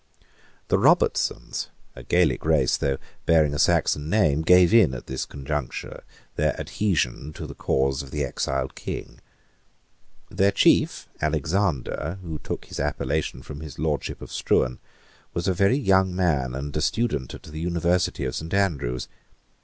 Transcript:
The Robertsons, a Gaelic race, though bearing a Saxon name, gave in at this conjuncture their adhesion to the cause of the exiled king. Their chief Alexander, who took his appellation from his lordship of Struan, was a very young man and a student at the University of Saint Andrew's.